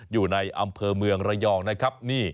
อยู่ในอำเภอเมืองระยองนะครับ